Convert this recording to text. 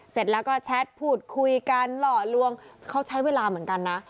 เสร็จแล้วก็แชทพูดคุยกันหล่อลวงเขาใช้เวลาเหมือนกันนะ